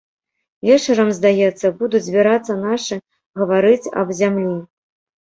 Вечарам, здаецца, будуць збірацца нашы гаварыць аб зямлі.